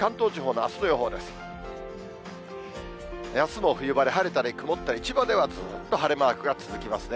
あすも冬晴れ、晴れたり曇ったり、千葉ではずっと晴れマークが続きますね。